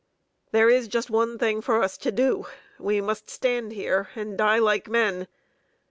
There is just one thing for us to do; we must stand here and die like men!